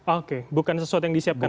oke bukan sesuatu yang disiapkan